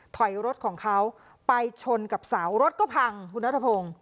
ถอยรถของเขาไปชนกับเสารถก็พังคุณนัทพงศ์